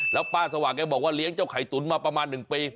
แล้วป้าสว่างแกบอกว่าเลี้ยงเจ้าไข่ตุ๋นมาประมาณ๑ปี